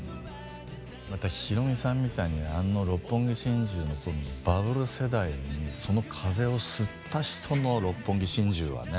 またひろみさんみたいにあの「六本木心中」の頃のバブル世代にその風を吸った人の「六本木心中」はね。